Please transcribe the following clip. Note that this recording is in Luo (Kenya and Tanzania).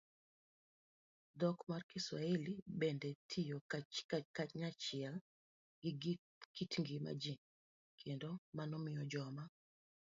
Dhok mar Kiswahili bende tiyo kanyachiel gi kit ngima ji, kendo mano miyo joma